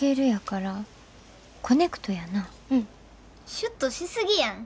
シュッとしすぎやん。